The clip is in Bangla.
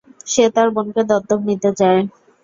সে তোর বোনকে দত্তক নিতে চায়।